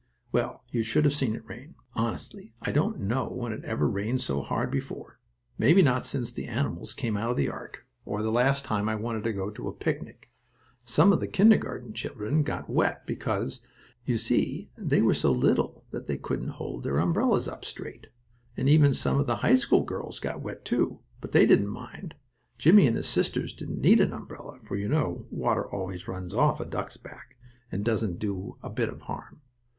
Well, you should have seen it rain! Honestly, I don't know when it ever rained so hard before; maybe not since the animals came out of the ark, or the last time I wanted to go to a picnic. Some of the kindergarten children got quite wet, because, you see, they were so little that they couldn't hold their umbrellas up straight. And even some of the high school girls got wet, too; but they didn't mind. Jimmie and his sisters didn't need an umbrella, for, you know, water always runs off a duck's back, and doesn't do a bit of harm.